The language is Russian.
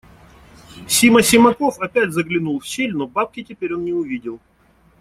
Сима Симаков опять заглянул в щель, но бабки теперь он не увидел.